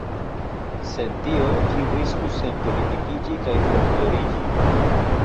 Sen tio, ĝi riskus senpolitikiĝi kaj folkloriĝi.